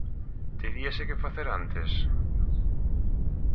Teríase que facer antes?